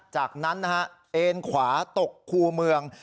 จากนั้นนะฮะเอ็นขวาตกคู่เมือง